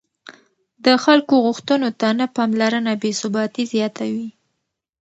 د خلکو غوښتنو ته نه پاملرنه بې ثباتي زیاتوي